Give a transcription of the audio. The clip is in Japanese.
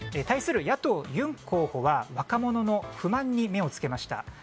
対する野党ユン候補は若者の不満に目を付けました。